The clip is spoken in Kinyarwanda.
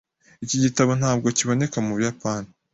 Iki gitabo ntabwo kiboneka mu Buyapani .